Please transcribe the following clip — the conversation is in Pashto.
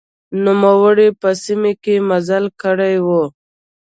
نوموړي په سیمه کې مزل کړی و.